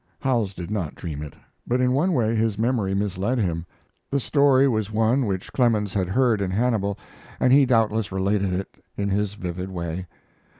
Howells did not dream it; but in one way his memory misled him. The story was one which Clemens had heard in Hannibal, and he doubtless related it in his vivid way.